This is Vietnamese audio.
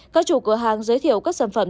các chủ cửa hàng giới thiệu các sản phẩm